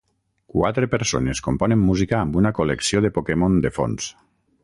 Quatre persones componen música amb una col·lecció de Pokémon de fons.